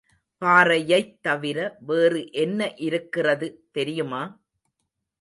பாறையைத் தவிர வேறு என்ன இருக்கிறது தெரியுமா?